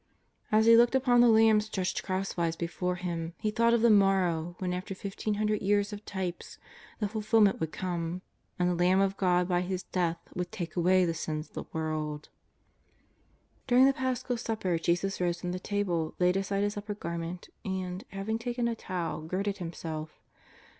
As He looked upon the lamb stretched cross wise before Him, He thought of the morrow, when, after fifteen lumdred years of types, the fulfilment would come, and the Lamb of God by His Death would take away the sins of the world. During the Paschal Supper Jesus rose from the table, laid aside His upper garment, and, having taken a towel, girded Himself.